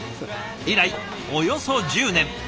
以来およそ１０年。